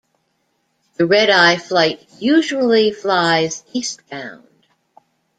The red-eye flight usually flies eastbound.